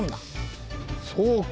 そうか。